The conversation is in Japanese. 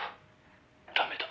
「ダメだ。